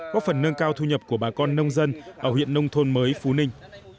góp phần nâng cao thu nhập của bà con nông dân ở huyện nông thôn mới phú ninh